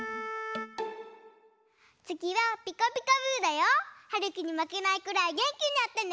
つぎは「ピカピカブ！」だよ。はるきにまけないくらいげんきにやってね！